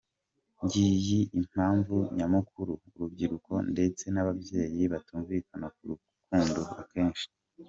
Ngiyi impamvu nyamukuru urubyiruko ndetse n’ababyeyi batumvikana ku rukundo akenshi.